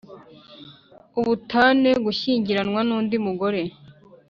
Ubutane gushyingiranwa n undi mugore